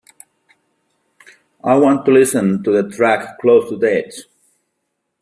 I want to listen to the track Close To The Edge